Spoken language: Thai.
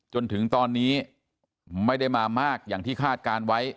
จนถึงตอนนี้ไม่ได้มามากอย่างที่คาดการณ์ไว้